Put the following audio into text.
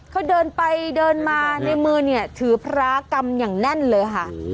เขาเดินไปเดินมาในมือเนี่ยถือพระกรรมอย่างแน่นเลยค่ะ